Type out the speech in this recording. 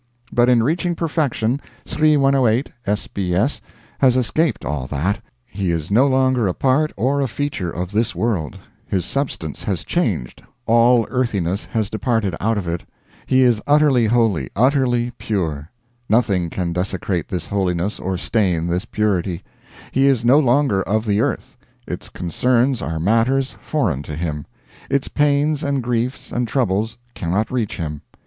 But in reaching perfection, Sri 108 S. B. S. has escaped all that. He is no longer a part or a feature of this world; his substance has changed, all earthiness has departed out of it; he is utterly holy, utterly pure; nothing can desecrate this holiness or stain this purity; he is no longer of the earth, its concerns are matters foreign to him, its pains and griefs and troubles cannot reach him.